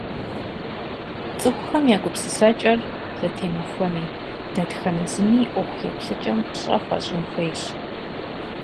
Цӏыхухэм я гупсысэкӏэр зэтемыхуэми, дэтхэнэ зыми и ӏуэху еплъыкӏэм пщӏэ хуэщӏын хуейщ.